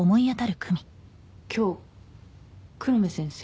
今日黒目先生